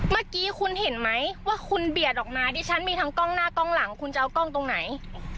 เมื่อกี้คุณเห็นไหมว่าคุณเบียดออกมาดิฉันมีทั้งกล้องหน้ากล้องหลังคุณจะเอากล้องตรงไหน